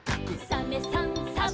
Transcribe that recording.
「サメさんサバさん」